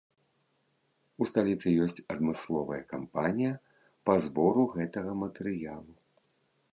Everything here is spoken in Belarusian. У сталіцы ёсць адмысловая кампанія па збору гэтага матэрыялу.